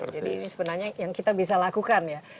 jadi ini sebenarnya yang kita bisa lakukan ya